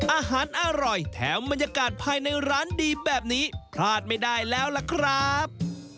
อาหารอร่อยแถมบรรยากาศภายในร้านดีแบบนี้พลาดไม่ได้แล้วล่ะครับ